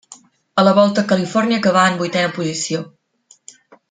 A la Volta a Califòrnia acabà en vuitena posició.